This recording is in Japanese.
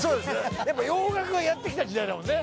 洋楽がやってきた時代だもんね。